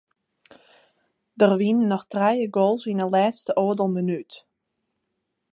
Der wiene noch trije goals yn de lêste oardel minút.